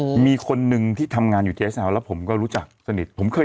ทำงานครบ๒๐ปีได้เงินชดเฉยเลิกจ้างไม่น้อยกว่า๔๐๐วัน